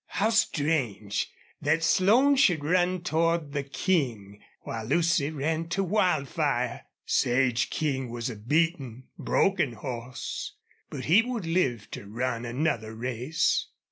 How strange that Slone should run toward the King while Lucy ran to Wildfire! Sage King was a beaten, broken horse, but he would live to run another race.